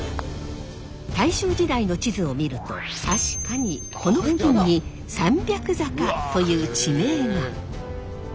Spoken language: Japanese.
大正時代の地図を見ると確かにこの付近に三百坂という地名が。